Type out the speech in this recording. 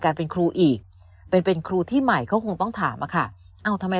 เป็นครูอีกเป็นเป็นครูที่ใหม่ก็คงต้องถามอะค่ะเอ้าทำไม